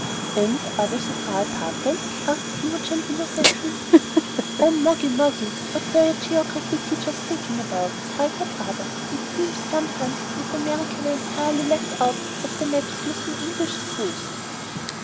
'" "And are they so far apart, then?" asked Imogen, innocently. "Oh, Moggy, Moggy! what were your geography teachers thinking about?" cried her brother. "It seems sometimes as if America were entirely left out of the maps used in English schools."